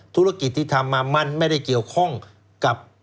ธุรกิจที่ทำมามันไม่ได้เกี่ยวข้องกับ